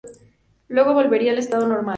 Luego volverían al estado normal.